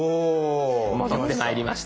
戻ってまいりました。